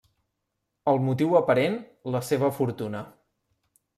El motiu aparent: la seva fortuna.